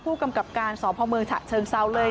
ผู้กำกับการสอบภาคเมืองฉะเชิงเศร้าเลย